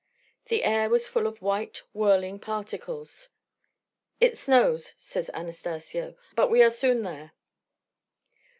The air was full of white, whirling particles. "It snows," said Anastacio; "but we are soon there."